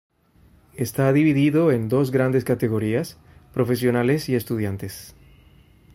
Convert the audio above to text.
Está dividido en dos grandes categorías, profesionales y estudiantes.